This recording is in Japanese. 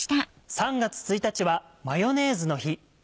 ３月１日はマヨネーズの日。